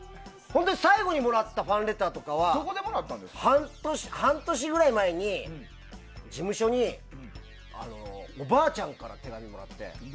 本当に、最後にもらったファンレターは半年くらい前に事務所にばあちゃんから手紙もらって。